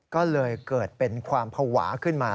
ก็เลยเกิดเป็นความภาวะขึ้นมา